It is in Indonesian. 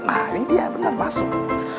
nah ini dia dengan masuk